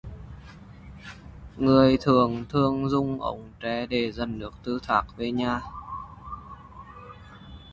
Người Thượng thường dùng ổng tre để dẫn nước từ thác về nhà